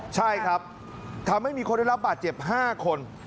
ใช่ครับทำให้มีคนได้รับบาดเจ็บ๕คน